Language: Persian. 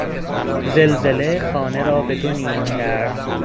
زلزله خانه را به دو نیم کرد.